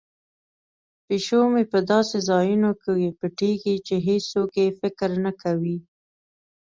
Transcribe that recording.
پیشو مې په داسې ځایونو کې پټیږي چې هیڅوک یې فکر نه کوي.